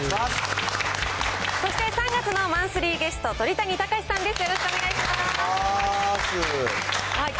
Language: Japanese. そして３月のマンスリーゲスト、鳥谷敬さんです。